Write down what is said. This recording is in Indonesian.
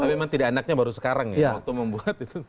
tapi memang tidak anaknya baru sekarang ya waktu membuat itu